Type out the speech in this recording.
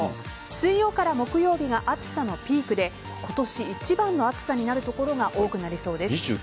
水曜から木曜日が暑さのピークで今年一番の暑さになる所が多くなりそうです。